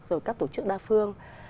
rồi các tổ chức đa phương